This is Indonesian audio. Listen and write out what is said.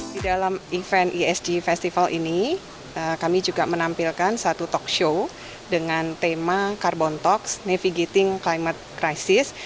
di dalam event esg festival ini kami juga menampilkan satu talk show dengan tema carbon talks navigating climate crisis